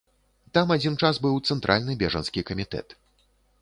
Там адзін час быў цэнтральны бежанскі камітэт.